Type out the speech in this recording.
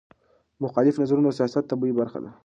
مخالف نظرونه د سیاست طبیعي برخه ده